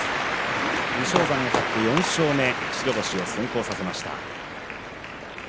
武将山、勝って４勝目で白星を先行させました。